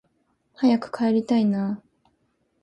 早く帰りたいなあ